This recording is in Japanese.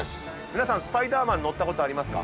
スパイダーマン乗ったことありますか？